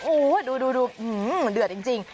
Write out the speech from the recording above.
โอ้วดูฮือดือดจริง